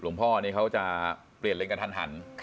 หลวงพ่อนี่เขาจะเปลี่ยนเล็งกันทัน